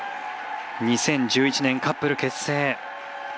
２０１１年、カップル結成。